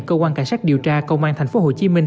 cơ quan cảnh sát điều tra công an thành phố hồ chí minh